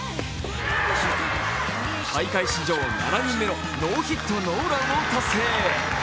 大会史上７人目のノーヒットノーランを達成。